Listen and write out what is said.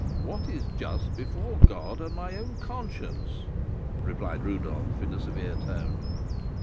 "What is just before God and my own conscience," replied Rodolph, in a severe tone.